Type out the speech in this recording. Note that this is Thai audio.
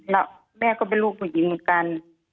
แล้วแม่ก็เป็นลูกผู้หญิงเหมือนกัน